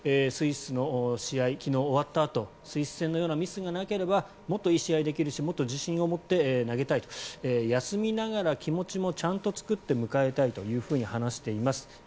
スイスの試合、昨日終わったあとスイス戦のようなミスがなければもっといい試合ができるしもっと自信を持って投げたいと休みながら気持ちもちゃんと作って迎えたいと話しています。